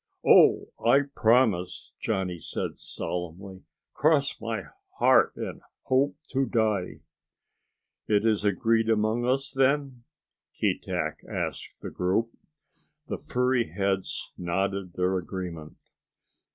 "Oh, I promise," Johnny said solemnly. "Cross my heart and hope to die." "It is agreed among us then?" Keetack asked the group. The furry heads nodded their agreement.